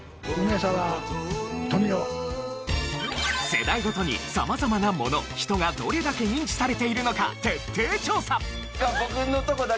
世代ごとに様々なもの人がどれだけ認知されているのか徹底調査。